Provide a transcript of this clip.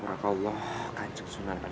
barakallah kanjung sunan kalijat